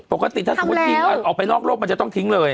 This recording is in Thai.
ปกติถ้าสมมุติทิ้งออกไปนอกโลกมันจะต้องทิ้งเลย